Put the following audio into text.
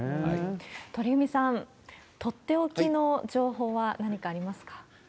鳥海さん、取って置きの情報は何かありますか？